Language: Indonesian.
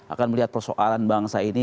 akan melihat persoalan bangsa ini